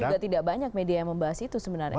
juga tidak banyak media yang membahas itu sebenarnya